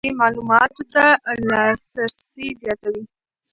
ټکنالوژي معلوماتو ته لاسرسی زیاتوي.